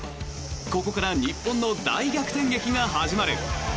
ここから日本の大逆転劇が始まる。